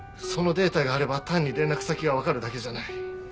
そのデータがあれば単に連絡先がわかるだけじゃない。